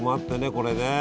これね。